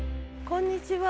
こんにちは。